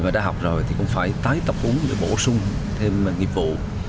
mà đã học rồi thì cũng phải tái tập uống để bổ sung thêm nghiệp vụ